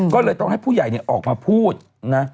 ก็เลยต้องให้ผู้ใหญ่ออกมาพูดนะ